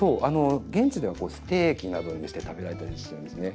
現地ではステーキなどにして食べられたりしてるんですね。